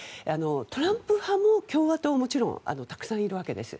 トランプ派も共和党はもちろんたくさんいるわけです。